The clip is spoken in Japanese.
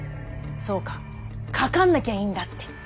そっか「かかんなきゃ」いいんだって！